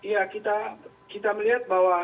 ya kita melihat bahwa